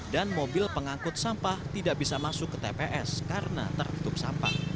dan mobil pengangkut sampah tidak bisa masuk ke tps karena tertutup sampah